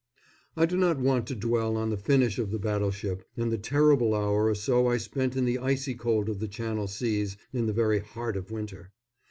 I do not want to dwell on the finish of the battleship, and the terrible hour or so I spent in the icy cold of the Channel seas in the very heart of winter.